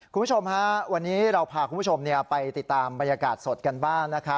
คุณผู้ชมฮะวันนี้เราพาคุณผู้ชมไปติดตามบรรยากาศสดกันบ้าง